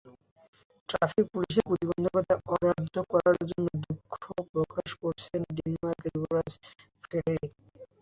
Traffic পুলিশের প্রতিবন্ধকতা অগ্রাহ্য করার জন্য দুঃখ প্রকাশ করেছেন ডেনমার্কের যুবরাজ ফ্রেডেরিক।